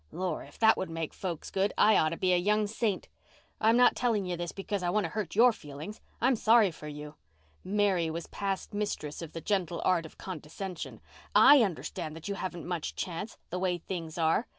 Lor', if that would make folks good I oughter be a young saint. I'm not telling you this because I want to hurt your feelings. I'm sorry for you"—Mary was past mistress of the gentle art of condescension. "I understand that you haven't much chance, the way things are.